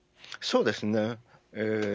そうですね。